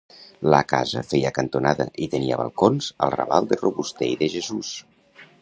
La casa feia cantonada i tenia balcons al raval de Robuster i de Jesús.